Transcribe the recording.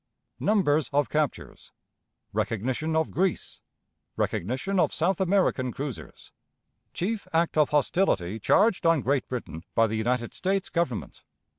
Numbers of Captures. Recognition of Greece. Recognition of South American Cruisers. Chief Act of Hostility charged on Great Britain by the United States Government.